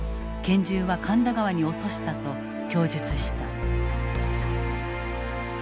けん銃は神田川に落とした」と供述した。